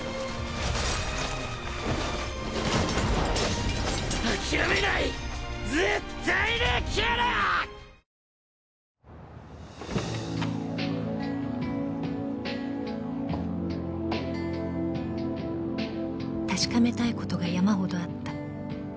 アサヒの緑茶「颯」［確かめたいことが山ほどあった］